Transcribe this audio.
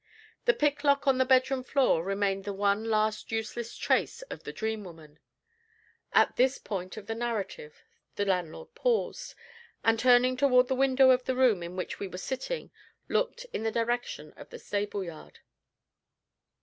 The picklock on the bedroom floor remained the one last useless trace of the Dream Woman. At this point of the narrative the landlord paused, and, turning toward the window of the room in which we were sitting, looked in the direction of the stable yard.